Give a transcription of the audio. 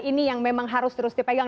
ini yang memang harus terus dipegang